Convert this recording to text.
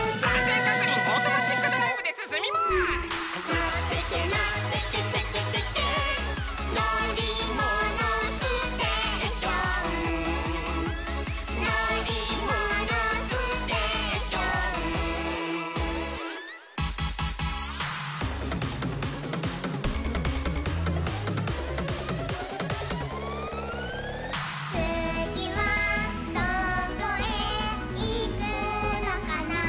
「のってけのってけテケテケ」「のりものステーション」「のりものステーション」「つぎはどこへいくのかな」